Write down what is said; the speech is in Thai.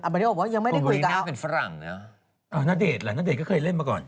บอกว่ายังไม่ได้คุยกับอ๋อนาเดชน์ล่ะนาเดชน์ก็เคยเล่นมาก่อน